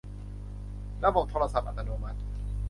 ระบบโทรศัพท์อัตโนมัติ